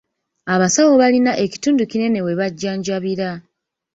Abasawo baalina ekitundu kinene we bajjanjabira.